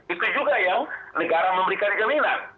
itu juga yang negara memberikan jaminan